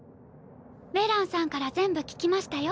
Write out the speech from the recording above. メランさんから全部聞きましたよ。